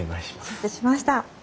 承知しました。